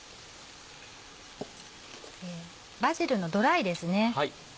バジルのドライですね。